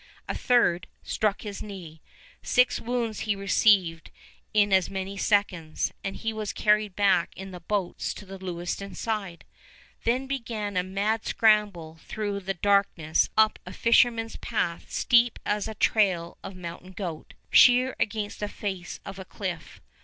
A third struck his knee. Six wounds he received in as many seconds; and he was carried back in the boats to the Lewiston side. Then began a mad scramble through the darkness up a fisherman's path steep as trail of mountain goat, sheer against the face of the cliff.